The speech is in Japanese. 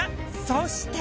そして。